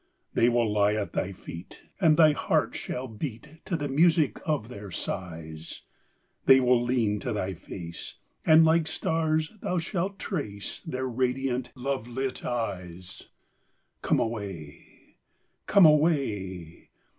They will lie at thy feet and thy heart shall beat To the music of their sighs; They will lean to thy face and, like stars, thou shalt trace Their radiant, love lit eyes. "Come away, come away!